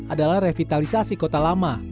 adalah revitalisasi kota lama